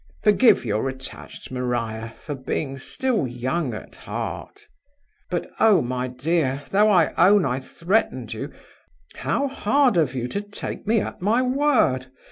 Forgive your attached Maria for being still young at heart! "But oh, my dear though I own I threatened you how hard of you to take me at my word!